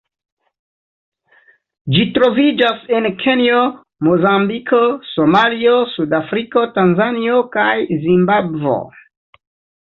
Ĝi troviĝas en Kenjo, Mozambiko, Somalio, Sudafriko, Tanzanio kaj Zimbabvo.